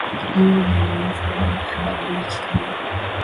Mungu mwaminifu, habadiliki kamwe.